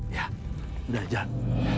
ya udah jan